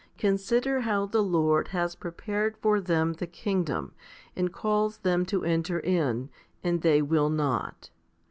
Consider how the Lord has prepared for them the kingdom, and calls them to enter in, and they will not.